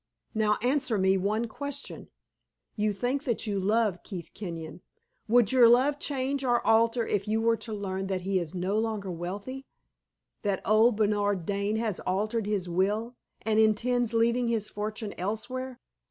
Now, answer me one question. You think that you love Keith Kenyon would your love change or alter if you were to learn that he is no longer wealthy; that old Bernard Dane has altered his will, and intends leaving his fortune elsewhere?